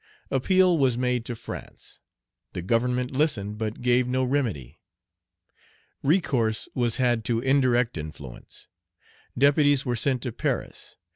Appeal was made to France. The Government listened, but gave no remedy. Recourse was had to indirect influence. Deputies were sent to Paris.